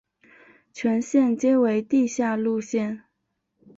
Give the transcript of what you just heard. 全线皆为地下路线。